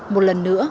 một lần nữa